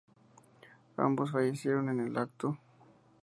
Ambos fallecieron en el acto.